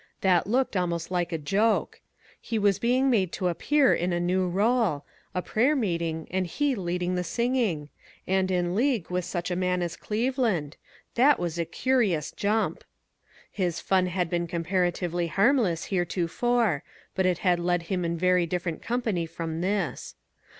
That looked almost like a joke. He was being made to appear in a new role. A prayer meeting, and he leading the singing ! And in league with such a man as Cleveland ! That was a curious jump! His fun had been comparatively harmless here tofore; but it had led him in very different company from this.